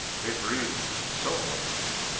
They breed so often !